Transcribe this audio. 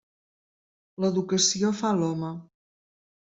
L'educació fa l'home.